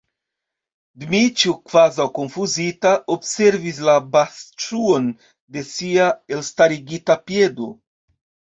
Dmiĉjo, kvazaŭ konfuzita, observis la bastŝuon de sia elstarigita piedo.